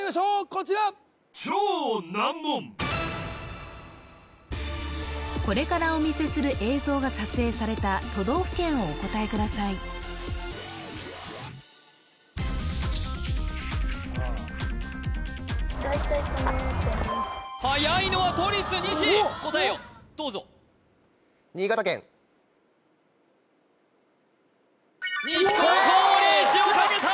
こちらこれからお見せする映像が撮影された都道府県をお答えくださいさあはやいのは都立西答えをどうぞ西高校リーチをかけた！